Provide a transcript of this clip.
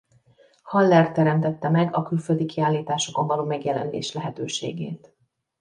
Haller teremtette meg a külföldi kiállításokon való megjelenés lehetőségét.